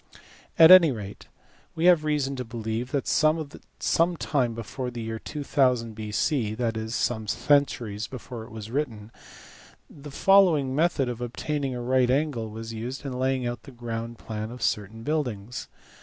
At any rate we have reason to believe that some time before the year 2000 B.C. (that is some centuries before it was written) the following method of obtaining a right angle was used in laying out the ground plan of certain buildings.